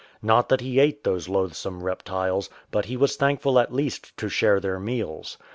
Not that he ate those loathsome reptiles, but he was thankful at least to share their meals.